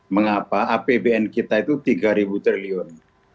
mengapa apbn kita itu tiga triliun